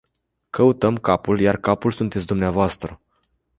Căutăm capul, iar capul sunteți dvs.!